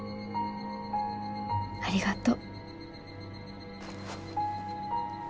ありがとう。